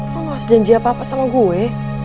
lo gak usah janji apa apa sama gue